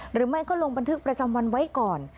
หรือไม่ก็ลงบันทึกประจำวันไว้ก่อน